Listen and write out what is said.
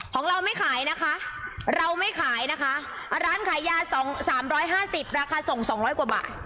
ของเราไม่ขายนะคะเราไม่ขายนะคะร้านขายยา๒๓๕๐ราคาส่ง๒๐๐กว่าบาท